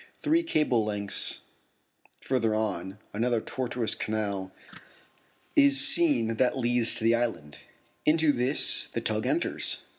Three cable's lengths further on, another tortuous canal is seen that leads to the island. Into this the tug enters.